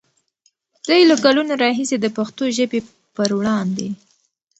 دوی له کلونو راهیسې د پښتو ژبې پر وړاندې